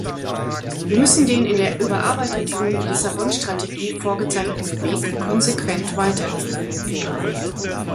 Wir müssen den in der überarbeiteten Lissabon-Strategie vorgezeichneten Weg konsequent weitergehen.